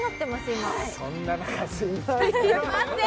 今そんな中すいません